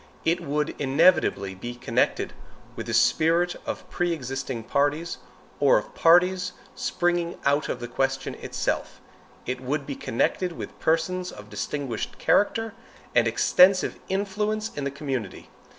It would inevitably be connected with the spirit of pre existing parties, or of parties springing out of the question itself. It would be connected with persons of distinguished character and extensive influence in the community.